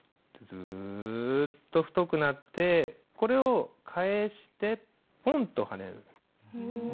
ズッと太くなってこれを返してポンとはねる。